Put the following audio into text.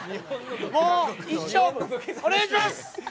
もう一勝負お願いします！